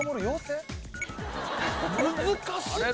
難しい！